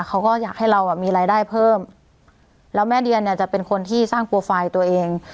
เขาก็อยากให้เราอ่ะมีรายได้เพิ่มแล้วแม่เดียเนี่ยจะเป็นคนที่สร้างโปรไฟล์ตัวเอง